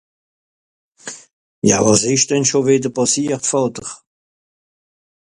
Ja, wàs ìsch denn schùn wìdder pàssiert, Vàter ?